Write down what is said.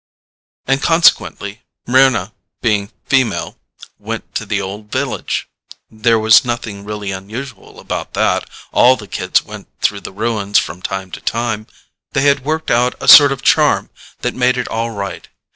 And consequently Mryna, being female, went to the Old Village. There was nothing really unusual about that. All the kids went through the ruins from time to time. They had worked out a sort of charm that made it all right.